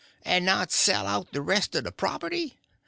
And not sell out the rest o' the property?